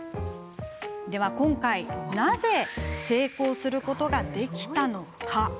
今回なぜ成功することができたのか？